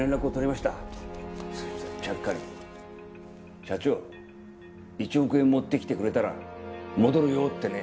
そしたらちゃっかり「社長１億円持ってきてくれたら戻るよ」ってね。